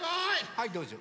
はいどうぞ。